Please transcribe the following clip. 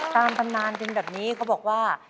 ตามปันนานจนแบบนี้เค้าบอกว่า